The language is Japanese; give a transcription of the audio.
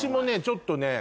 ちょっとね